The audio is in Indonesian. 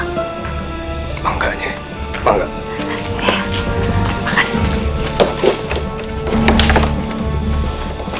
semoga saya tetap dieralihkan